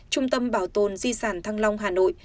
trung tâm bảo tồn di sản thăng long hà nội